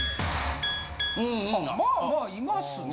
まあまあいますね。